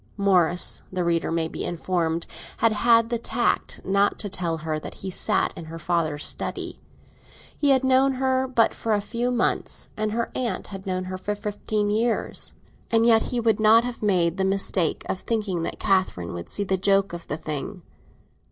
Morris, the reader may be informed, had had the tact not to tell her that he sat in her father's study. He had known her but for a few months, and her aunt had known her for fifteen years; and yet he would not have made the mistake of thinking that Catherine would see the joke of the thing.